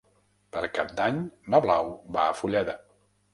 Per Cap d'Any na Blau va a Fulleda.